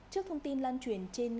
trước thông tin lan truyền trên